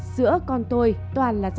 sữa con tôi toàn là do